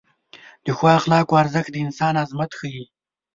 د ښو اخلاقو ارزښت د انسان عظمت ښیي.